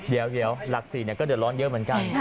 เดี๋ยวหลัก๔ก็เดือดร้อนเยอะเหมือนกัน